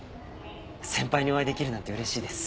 先輩にお会いできるなんてうれしいです。